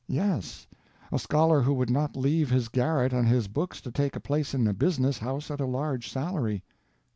M. Yes. A scholar who would not leave his garret and his books to take a place in a business house at a large salary.